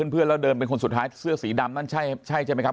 เพื่อนแล้วเดินเป็นคนสุดท้ายเสื้อสีดำนั่นใช่ใช่ไหมครับ